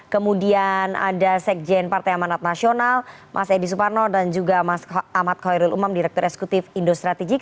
kemudian ada sekjen partai amanat nasional mas edi suparno dan juga mas ahmad khairul umam direktur eksekutif indo strategik